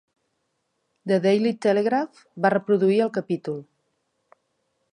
"The Daily Telegraph" va reproduir el capítol.